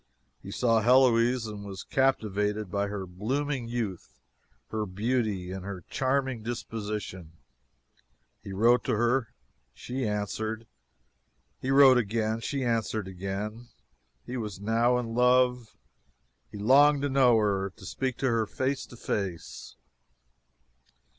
He saw Heloise, and was captivated by her blooming youth, her beauty, and her charming disposition. He wrote to her; she answered. He wrote again; she answered again. He was now in love. He longed to know her to speak to her face to face.